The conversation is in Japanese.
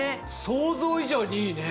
想像以上にいいね！